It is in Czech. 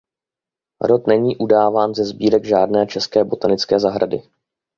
Rod není udáván ze sbírek žádné české botanické zahrady.